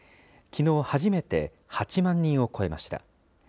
きのう初めて８万人を超えました。